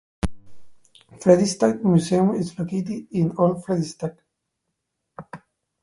Fredrikstad Museum is located in Old Fredrikstad.